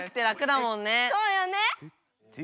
そうよね。